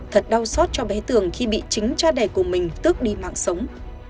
thật đau xót cho bé tường khi bị chính cha đẻ của mình tước đi mạng sống